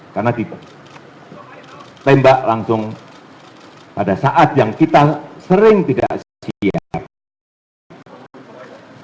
karena ditembak langsung pada saat yang kita sering tidak siap